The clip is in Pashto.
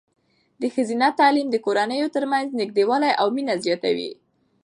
د ښځینه تعلیم د کورنیو ترمنځ نږدېوالی او مینه زیاتوي.